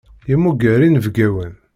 Yemmuger inebgawen.